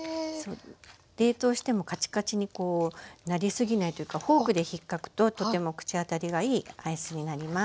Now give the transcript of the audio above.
冷凍してもカチカチにこうなりすぎないというかフォークでひっかくととても口当たりがいいアイスになります。